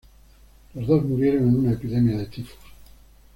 Las dos murieron en una epidemia de tifus.